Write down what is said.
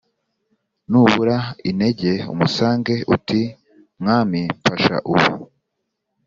n’ ubura integeumusange, uti : mwami, mfasha ubu !